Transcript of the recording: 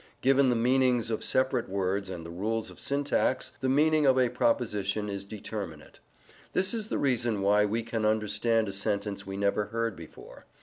Given the meanings of separate words, and the rules of syntax, the meaning of a proposition is determinate. This is the reason why we can understand a sentence we never heard before.